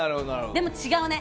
でも違うね。